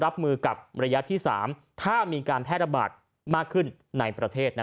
รับมือกับระยะที่๓ถ้ามีการแพร่ระบาดมากขึ้นในประเทศ